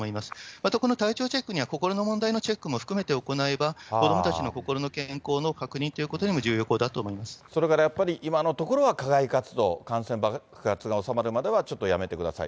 また、この体調チェックには、心の問題のチェックも含めて行えば、子どもたちの心の健康の確認ということにも非常に有効だと思いまそれからやっぱり、今のところは課外活動、感染爆発が収まるまではちょっとやめてください。